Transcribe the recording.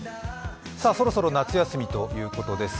そろそろ夏休みということです。